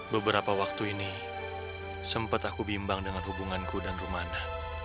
beberapa waktu ini sempat aku bimbang dengan hubunganku dan rumahna